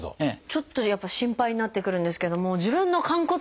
ちょっとやっぱ心配になってくるんですけども自分の寛骨臼